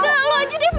nggak lo aja deh